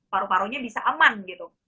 paru parunya bisa aman gitu